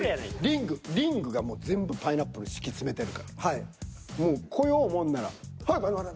リングリングがもう全部パイナップル敷き詰めてるからもう来ようもんならはいほらほら！